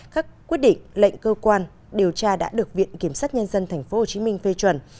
các quyết định lệnh cơ quan điều tra đã được viện kiểm sát nhân dân tp hcm phê chuẩn